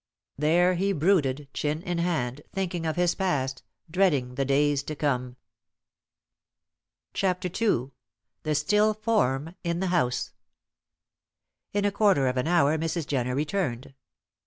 There he brooded, chin in hand, thinking of his past, dreading the days to come. CHAPTER II. THE STILL FORM IN THE HOUSE. In a quarter of an hour Mrs. Jenner returned.